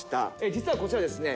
実はこちらですね